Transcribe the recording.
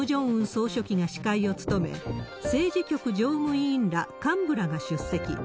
総書記が司会を務め、政治局常務委員ら幹部らが出席。